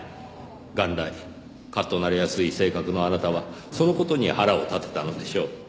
元来カッとなりやすい性格のあなたはその事に腹を立てたのでしょう。